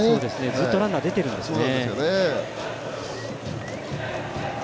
ずっとランナー出てるんですね。